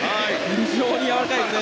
非常にやわらかいですね